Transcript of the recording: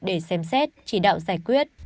để xem xét chỉ đạo giải quyết